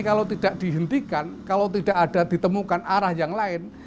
kalau tidak dihentikan kalau tidak ada ditemukan arah yang lain